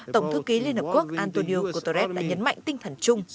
tổng thư ký liên hợp quốc antonio guterres đã nhấn mạnh tinh thần chung